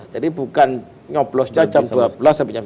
jadi bukan nyoblos aja jam dua belas sampai jam tiga belas